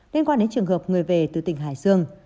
liên quan đến trường hợp người về từ tỉnh hải dương